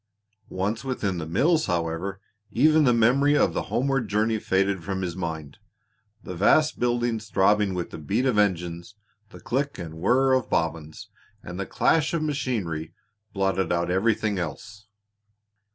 Once within the mills, however, even the memory of the homeward journey faded from his mind. The vast buildings throbbing with the beat of engines, the click and whirr of bobbins, and the clash of machinery, blotted out everything else.